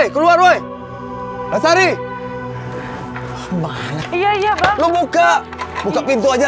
kalian keren gak cuy